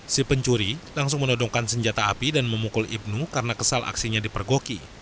si pencuri langsung menodongkan senjata api dan memukul ibnu karena kesal aksinya dipergoki